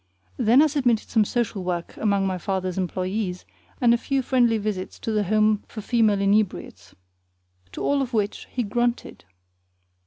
Then I submitted some social work among my father's employees and a few friendly visits to the Home for Female Inebriates. To all of which he grunted.